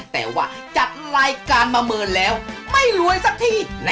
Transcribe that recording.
แต่ว่าจัดรายการประเมินแล้วไม่รวยสักที